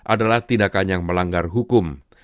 adalah tindakan yang melanggar hukum